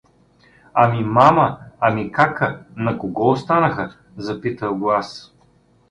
— Ами мама, ами кака… на кого останаха? — запитах го аз.